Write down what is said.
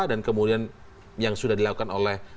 dan kemudian yang sudah dilakukan oleh pemprov dki